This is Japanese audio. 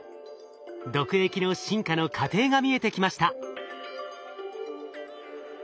毒液の進化の過程が見えてきました。